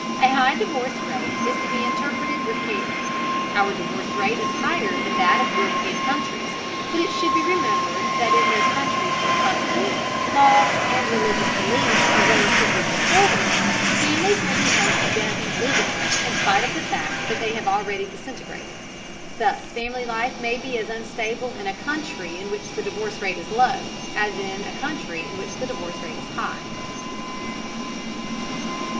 A high divorce rate is to be interpreted with care. Our divorce rate is higher than that of European countries, but it should be remembered that in those countries where customs, laws, and religious beliefs are relatively conservative, families may be held together legally in spite of the fact that they have already disintegrated. Thus family life may be as unstable in a country in which the divorce rate is low, as in a country in which the divorce rate is high.